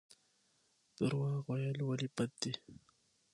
درواغ ویل ولې بد دي؟